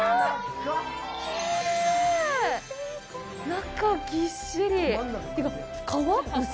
中ぎっしり。